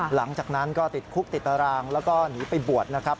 หลังจากนั้นก็ติดคุกติดตารางแล้วก็หนีไปบวชนะครับ